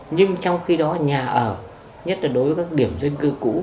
nhưng trong khi đó nhà ở nhất là đối với các điểm dân cư cũ